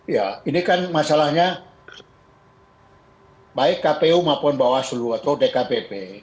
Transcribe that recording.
ya ini kan masalahnya baik kpu maupun bawaslu atau dkpp